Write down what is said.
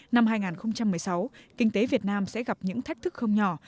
năm hai nghìn một mươi sáu kinh tế việt nam sẽ gặp những thách thức không nhỏ